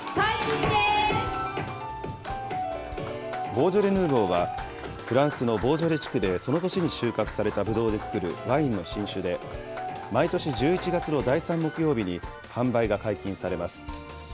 ボージョレ・ヌーボーはフランスのボージョレ地区でその年に収穫されたぶどうで造るワインの新酒で、毎年１１月の第３木曜日に、販売が解禁されます。